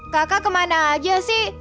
kakak kemana aja sih